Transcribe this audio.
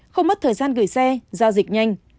không mất thời gian gửi xe giao dịch nhanh